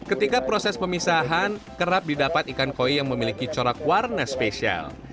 ketika proses pemisahan kerap didapat ikan koi yang memiliki corak warna spesial